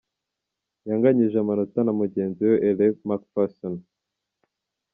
Yanganyije amanota na mugenzi we Elle Macpherson .